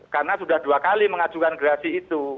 karena sudah dua kali mengajukan gerasi itu